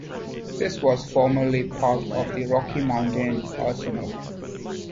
This was formerly part of the Rocky Mountain Arsenal.